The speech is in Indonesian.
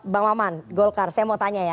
bang maman golkar saya mau tanya ya